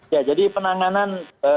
ya jadi penanganan